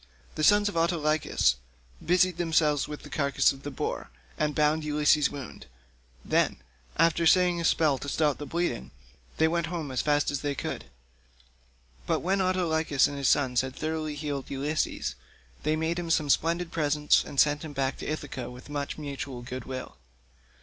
The sons of Autolycus busied themselves with the carcass of the boar, and bound Ulysses' wound; then, after saying a spell to stop the bleeding, they went home as fast as they could. But when Autolycus and his sons had thoroughly healed Ulysses, they made him some splendid presents, and sent him back to Ithaca with much mutual good will.